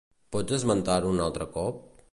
Pots esmentar-ho un altre cop?